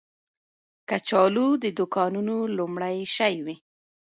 کچالو د دوکانونو لومړنی شی وي